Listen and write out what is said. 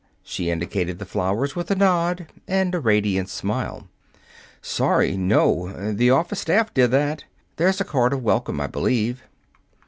She indicated the flowers with a nod and a radiant smile. "Sorry no. The office staff did that. There's a card of welcome, I believe."